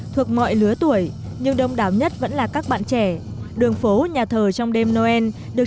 thuộc mọi lứa tuổi nhưng đông đáo nhất vẫn là các bạn trẻ đường phố nhà thờ trong đêm noel được